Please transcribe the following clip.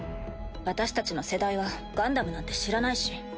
私たちの世代はガンダムなんて知らないし。